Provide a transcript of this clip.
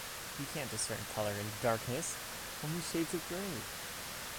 You can’t discern color in darkness, only shades of gray.